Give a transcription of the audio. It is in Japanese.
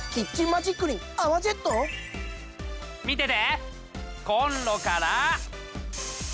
見てて！